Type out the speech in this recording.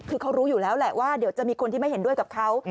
คือเขารู้อยู่แล้วแหละว่าเดี๋ยวจะมีคนที่ไม่เห็นด้วยกับเขา